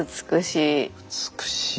美しい。